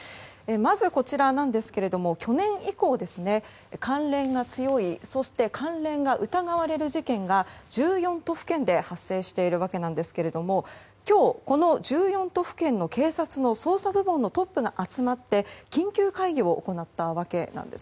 まず、こちらなんですけれども去年以降関連が強いそして関連が疑われる事件が１４都府県で発生しているわけなんですけれども今日、この１４都府県の警察の捜査部門のトップが集まって緊急会議を行ったわけです。